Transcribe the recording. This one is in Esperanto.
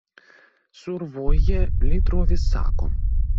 Survoje li trovis sakon.